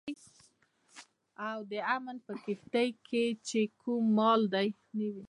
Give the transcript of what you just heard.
او د امن په کښتئ کې چې کوم مال دی